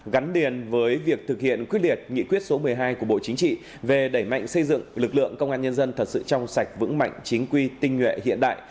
gắn liền với việc thực hiện quyết liệt nghị quyết số một mươi hai của bộ chính trị về đẩy mạnh xây dựng lực lượng công an nhân dân thật sự trong sạch vững mạnh chính quy tinh nguyện hiện đại